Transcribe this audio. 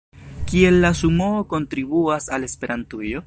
Kiel la sumoo kontribuas al Esperantujo?